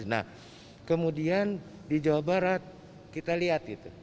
nah kemudian di jawa barat kita lihat gitu